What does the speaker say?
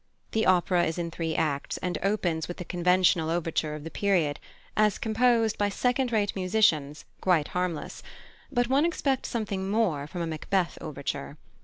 The opera is in three acts, and opens with the conventional overture of the period as composed by second rate musicians, quite harmless; but one expects something more from a Macbeth overture.